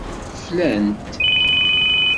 Flan-t.